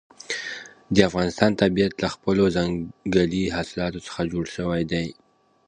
د افغانستان طبیعت له خپلو ځنګلي حاصلاتو څخه جوړ شوی دی.